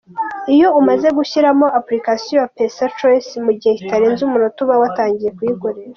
Iyo umaze gushyiramo application ya PesaChoice, mu gihe kitarenze umunota uba watangiye kuyikoresha.